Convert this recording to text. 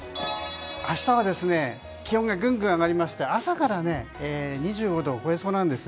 明日は気温がぐんぐん上がりまして朝から２５度を超えそうなんです。